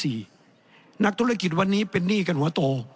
แสดงว่าความทุกข์มันไม่ได้ทุกข์เฉพาะชาวบ้านด้วยนะ